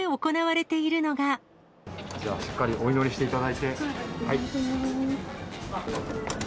しっかりお祈りしていただいて。